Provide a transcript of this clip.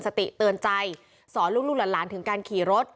สติเตือนใจสอนลูกหลานถึงการขี่รถ